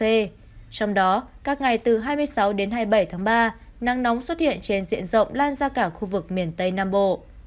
trong đó các ngày từ hai mươi sáu đến hai mươi bảy tháng ba nắng nóng xuất hiện trên diện rộng lan ra cả khu vực miền tây nam bộ